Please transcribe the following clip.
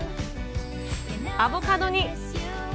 アボカドに。